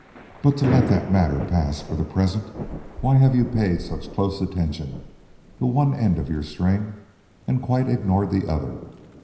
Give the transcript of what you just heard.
But to let that matter pass for the present: why have you paid such close attention to one end of your string, and quite ignored the other?